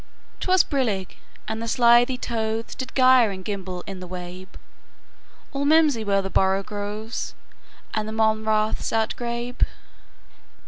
'T was brillig, and the slithy tovesDid gyre and gimble in the wabe; All mimsy were the borogoves, And the mome raths outgrabe.